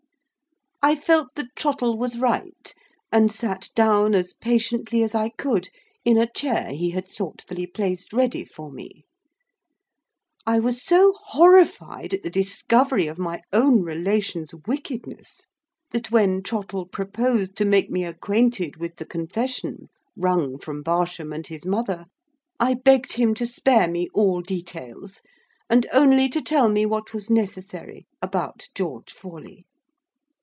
I felt that Trottle was right, and sat down as patiently as I could in a chair he had thoughtfully placed ready for me. I was so horrified at the discovery of my own relation's wickedness that when Trottle proposed to make me acquainted with the confession wrung from Barsham and his mother, I begged him to spare me all details, and only to tell me what was necessary about George Forley.